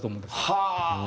はあ！